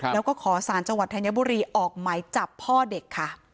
แล้วก็ขอสารจธัญบุรีออกไหมจับพ่อเด็ก